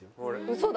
嘘だ。